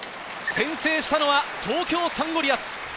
先制したのは東京サンゴリアス。